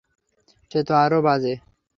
সে তো আরো বাজে!